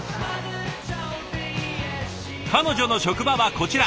彼女の職場はこちら。